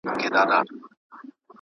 زه هره ورځ زده کړه کوم!.